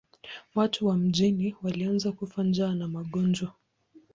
Watu wa mjini walianza kufa njaa na magonjwa.